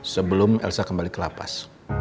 sebelum elsa kembali ke lapas